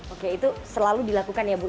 oke itu selalu dilakukan ya bu